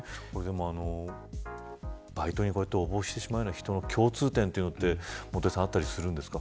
バイトに応募してしまうような人の共通点はあったりしますか。